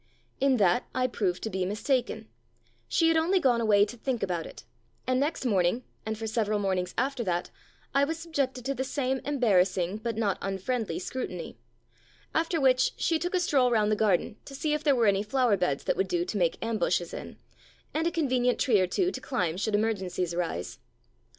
In that I proved to be mistaken : she had only gone away to think about it, and next morning, and 231 "Puss cat" for several mornings after that, I was subjected to the same embarrassing but not unfriendly scrutiny, after which she took a stroll round the garden to see if there were any flower beds that would do to make ambushes in, and a convenient tree or two to climb should emergencies arise.